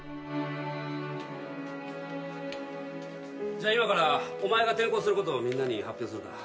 じゃあ今からお前が転校することをみんなに発表するから。